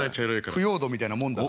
腐葉土みたいなもんだから。